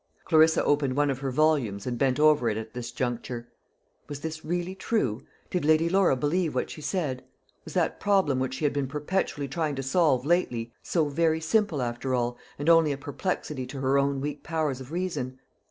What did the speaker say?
Clarissa opened one of her volumes and bent over it at this juncture. Was this really true? Did Lady Laura believe what she said? Was that problem which she had been perpetually trying to solve lately so very simple, after all, and only a perplexity to her own weak powers of reason?